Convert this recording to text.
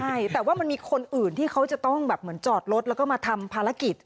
ใช่แต่ว่ามันมีคนอื่นที่เขาจะต้องแบบเหมือนจอดรถแล้วก็มาทำภารกิจ